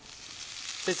先生